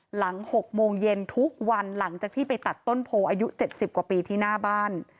หลัง๖โมงเย็นทุกวันหลังจากที่ไปตัดต้นโพอายุ๗๐กว่าปีที่หน้าบ้าน